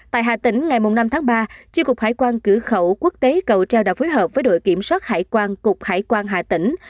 tại hà tĩnh ngày năm tháng ba tri cục hải quan cửa khẩu quốc tế cầu treo đã phối hợp với đội kiểm soát hải quan cục hải quan hà tĩnh